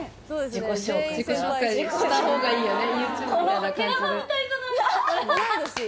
自己紹介した方がいいよね？